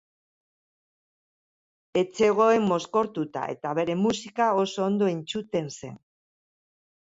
Ez zegoen mozkortuta eta bere musika oso ondo entzuten zen.